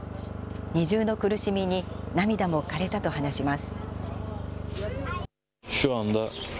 二重の苦しみに涙もかれたと話します。